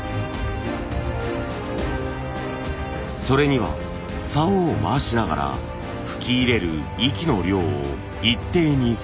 それにはさおを回しながら吹き入れる息の量を一定にすること。